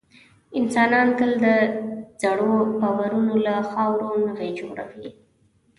انسانان تل د زړو باورونو له خاورو نوي جوړوي.